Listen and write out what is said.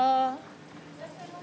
いらっしゃいませ！